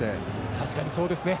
確かにそうですね。